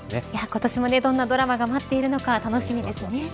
今年もどんなドラマが待っているのか楽しみですね。